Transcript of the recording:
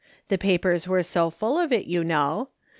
The papers were so full of it, you know.